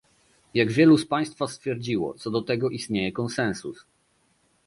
Jak wielu z państwa stwierdziło, co do tego istnieje konsensus